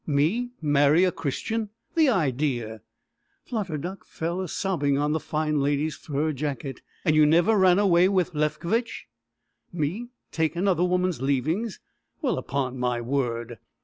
"Me marry a Christian! The idea!" Flutter Duck fell a sobbing on the fine lady's fur jacket. "And you never ran away with Lefkovitch?" "Me take another woman's leavings? Well, upon my word!"